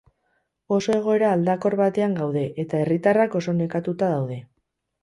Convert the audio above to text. Oso egoera aldakor batean gaude, eta herritarrak oso nekatuta daude.